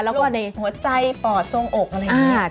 หัวใจปอดสวงอกอะไรอย่างนี้